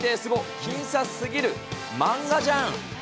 僅差すぎる、漫画じゃん。